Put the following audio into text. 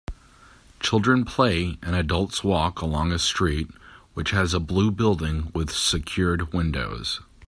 Children play and adults walk along a street which has a blue building with secured windows.